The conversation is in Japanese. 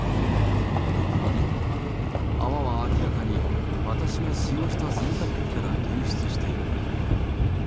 よく見ると、泡は明らかに私が使用した洗濯機から流出している。